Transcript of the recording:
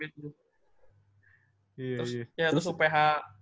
terus ya terus uph